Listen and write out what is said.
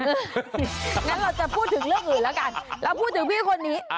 งั้นเราจะพูดถึงเรื่องอื่นแล้วกันเราพูดถึงพี่คนนี้